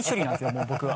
もう僕は。